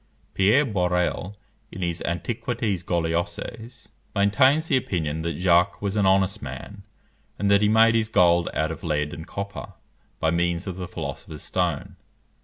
Pierre Borel, in his Antiquités Gauloises, maintains the opinion that Jacques was an honest man, and that he made his gold out of lead and copper by means of the philosopher's stone.